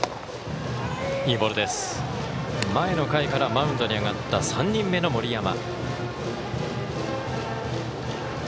前の回からマウンドに上がった３人目の森山。